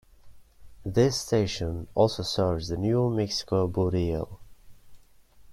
This station also serves the New Mexico Bootheel.